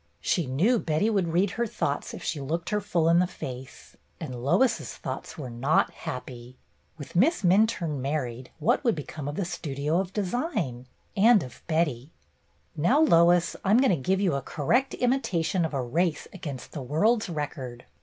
She knew Betty would read her thoughts if she looked her full in the face. And Lois's thoughts were not happy. With Miss Minturne married what would be come of the Studio of Design — and of Betty! "Now, Lois, I 'm going to give you a cor rect imitation of a race against the world's record.